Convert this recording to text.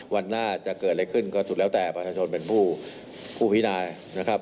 วันหน้าจะเกิดอะไรขึ้นก็สุดแล้วแต่ประชาชนเป็นผู้พินายนะครับ